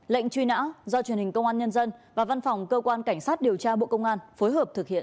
lệnh truy nã do truyền hình công an nhân dân và văn phòng cơ quan cảnh sát điều tra bộ công an phối hợp thực hiện